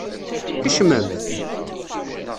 Kecmemt!